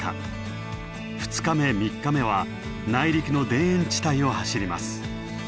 ２日目３日目は内陸の田園地帯を走ります。